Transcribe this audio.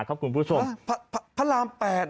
พระราม๘หรือ